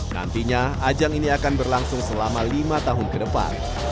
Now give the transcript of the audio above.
nantinya ajang ini akan berlangsung selama lima tahun ke depan